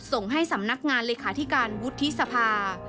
ส่งให้สำนักงานเลขาธิการวุฒิสภา